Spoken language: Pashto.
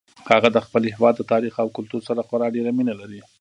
هغه د خپل هیواد د تاریخ او کلتور سره خورا ډیره مینه لري